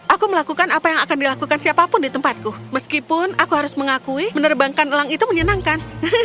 aku melakukan apa yang akan dilakukan siapapun di tempatku meskipun aku harus mengakui menerbangkan elang itu menyenangkan